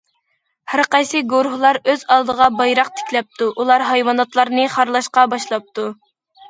ھەر قايسى گۇرۇھلار ئۆز ئالدىغا بايراق تىكلەپتۇ، ئۇلار ھايۋاناتلارنى خارلاشقا باشلاپتۇ.